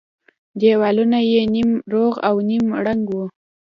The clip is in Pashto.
دېوالونه يې نيم روغ او نيم ړنگ وو.